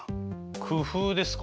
工夫ですか？